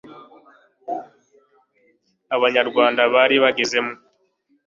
abanyarwanda bari bagezemwo